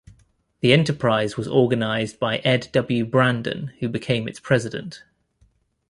The enterprise was organized by Ed W. Brandon who became its president.